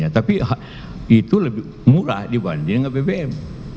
tapi itu lebih murah dibanding dengan bbm